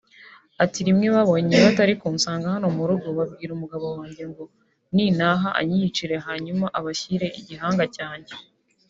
Ati “Rimwe babonye batari kunsanga hano mu rugo babwira umugabo wanjye ngo nintaha anyiyicire hanyuma abashyire igihanga cyanjye